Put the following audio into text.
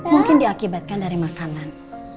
mungkin diakibatkan dari makanan